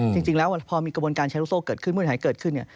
จริงแล้วพอมีกระบวนการใช้ลูกโซ่เกิดขึ้นมืดหายเกิดขึ้นเนี่ย